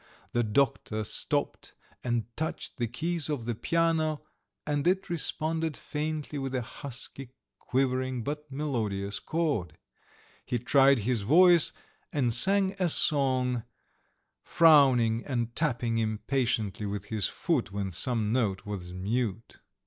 The doctor stopped and touched the keys of the piano, and it responded faintly with a husky, quivering, but melodious chord; he tried his voice and sang a song, frowning and tapping impatiently with his foot when some note was mute.